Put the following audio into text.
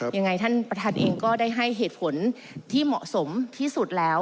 ยังไงท่านประธานเองก็ได้ให้เหตุผลที่เหมาะสมที่สุดแล้ว